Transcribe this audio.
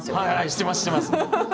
してますしてます。